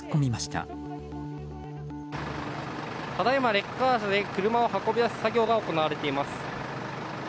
ただいまレッカー車で車を運び出す作業が行われてます。